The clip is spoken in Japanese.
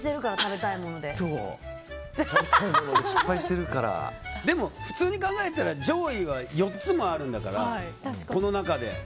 今日失敗しているからでも普通に考えたら上位は４つもあるんだからこの中で。